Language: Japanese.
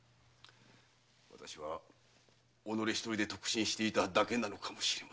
私は己ひとりで得心していただけなのかもしれませぬ。